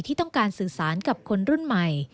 ที่ต้องการสื่อสารกับคนรุ่นใหม่